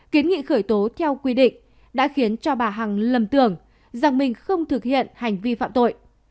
kiến nghị khởi tố theo quy định đã khiến cho bà hằng lầm tưởng rằng mình không thực hiện hành vi phạm tội